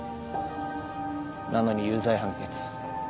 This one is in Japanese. なのに有罪判決。